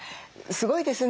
すごいですね。